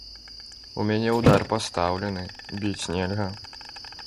У мяне ўдар пастаўлены, біць нельга.